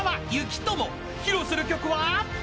［披露する曲は］